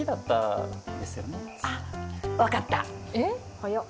早っ。